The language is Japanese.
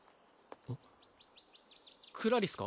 クラリスか？